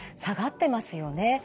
下がってますよね。